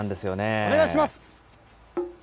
お願いします。